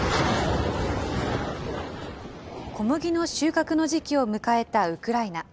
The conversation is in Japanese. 小麦の収穫の時期を迎えたウクライナ。